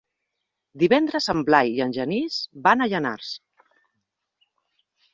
Divendres en Blai i en Genís van a Llanars.